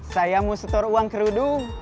saya mau setor uang kerudu